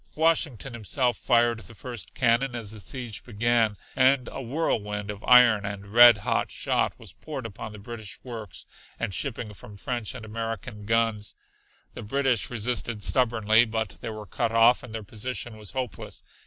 Washington himself fired the first cannon as the siege began, and a whirlwind of iron and red hot shot was poured upon the British works and shipping from French and American guns. The British resisted stubbornly, but they were cut off and their position was hopeless.